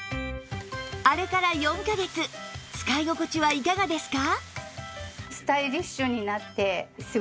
あれから４カ月使い心地はいかがですか？